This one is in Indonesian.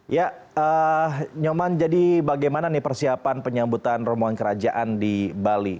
ya nyoman jadi bagaimana nih persiapan penyambutan rombongan kerajaan di bali